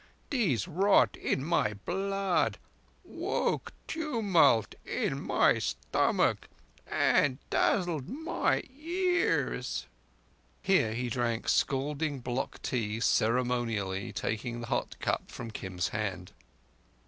These wrought in my blood, woke tumult in my stomach, and dazzled my ears." Here he drank scalding black tea ceremonially, taking the hot cup from Kim's hand.